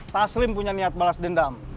taslim punya niat balas dendam